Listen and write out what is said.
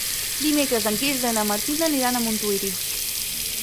Dimecres en Quirze i na Martina aniran a Montuïri.